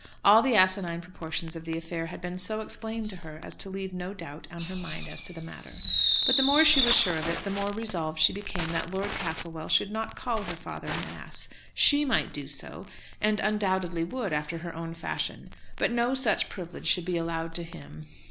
All the asinine proportions of the affair had been so explained to her as to leave no doubt on her mind as to the matter. But the more she was sure of it, the more resolved she became that Lord Castlewell should not call her father an ass. She might do so, and undoubtedly would after her own fashion, but no such privilege should be allowed to him.